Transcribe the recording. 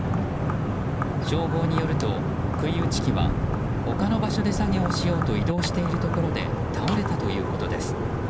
消防によると杭打ち機は他の場所で作業をしようと移動をしているところで倒れたということです。